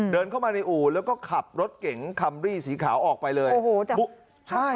เดินเข้ามาในอู่แล้วก็ขับรถเก๋งคัมรี่สีขาวออกไปเลยโอ้โหใช่